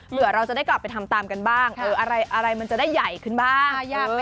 เผื่อเราจะได้กลับไปทำตามกันบ้างอะไรมันจะได้ใหญ่ขึ้นบ้าง